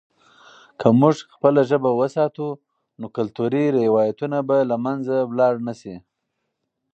که موږ خپله ژبه وساتو، نو کلتوري روایتونه به له منځه لاړ نه سي.